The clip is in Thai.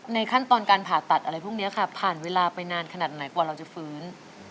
ขั้นตอนการผ่าตัดอะไรพวกนี้ค่ะผ่านเวลาไปนานขนาดไหนกว่าเราจะฟื้น